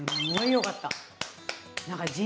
よかった。